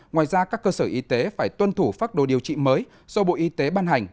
ngoài ra các cơ sở y tế phải tuân thủ phác đồ điều trị mới do bộ y tế ban hành